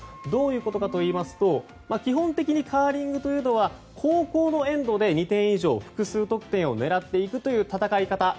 どういうことかといいますと基本的にカーリングというのは後攻のエンドで２点以上、複数得点を狙っていく戦い方。